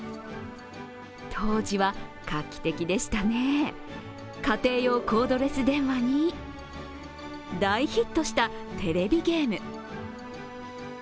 当時は画期的でしたね、家庭用コードレス電話に大ヒットしたテレビゲーム。